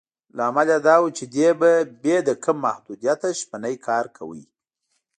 لامل یې دا و چې دې به بې له کوم محدودیته شپنی کار کاوه.